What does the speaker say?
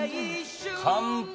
『乾杯』。